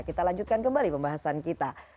kita lanjutkan kembali pembahasan kita